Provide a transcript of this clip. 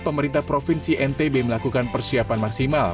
pemerintah provinsi ntb melakukan persiapan maksimal